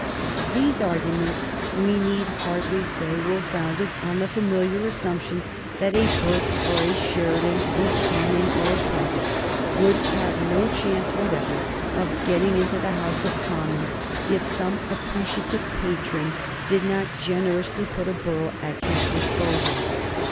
These arguments, we need hardly say, were founded on the familiar assumption that a Burke or a Sheridan, a Canning or a Plunket, would have no chance whatever of getting into the House of Commons if some appreciative patron did not generously put a borough at his disposal.